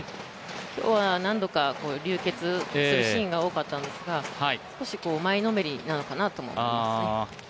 今日は何度かこういう流血するシーンが多かったんですが少し前のめりなのかなと思いますね。